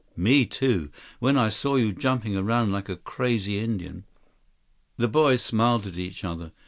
"Me too, when I saw you jumping around like a crazy Indian!" The boys smiled at each other.